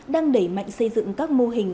đang đẩy mạnh xây dựng các mô hình